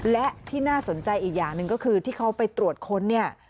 และที่น่าสนใจอีกอย่างหนึ่งก็คือที่เขาไปตรวจค้นเนี่ย